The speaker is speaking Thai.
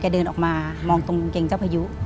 เดินออกมามองตรงกางเกงเจ้าพยุ